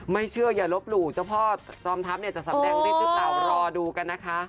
ไม่เชื่ออย่ารบหลู่เจ้าพ่อจอมทัพจะสำเร็จรีบรอดูกันนะคะ